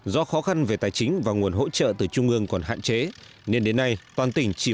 do khó khăn về tài chính và nguồn hỗ trợ từ trung ương còn hạn chế nên đến nay toàn tỉnh chỉ